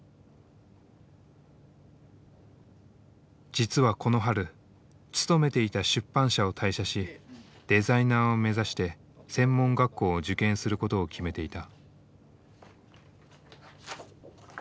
実はこの春勤めていた出版社を退社しデザイナーを目指して専門学校を受験することを決めていた。